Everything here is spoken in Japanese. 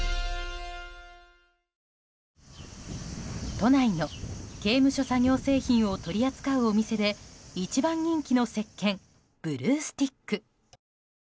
都内の刑務所作業製品を取り扱うお店で一番人気の石けんブルースティック。